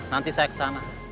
nanti saya kesana